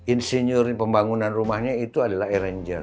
insinyur pembangunan rumahnya itu adalah arranger